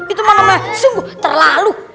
itu mana mana sungguh terlalu